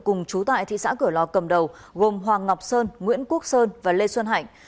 cùng chú tại thị xã cửa lò cầm đầu gồm hoàng ngọc sơn nguyễn quốc sơn và lê xuân hạnh